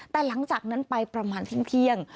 แต่หลังจากนั้นไปประมาณเที่ยง